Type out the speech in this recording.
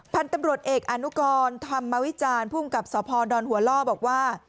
พันธุ์ตำรวจเอกอนุกรธรรมวิจารณ์ภูมิกับสพดหัวล่อบอกว่า